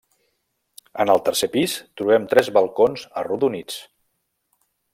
En el tercer pis trobem tres balcons arrodonits.